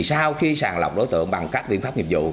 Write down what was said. sau khi sàng lọc đối tượng bằng các biện pháp nghiệp vụ